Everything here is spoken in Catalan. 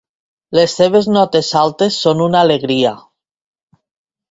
Les seves notes altes són una alegria.